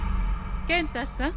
健太さん！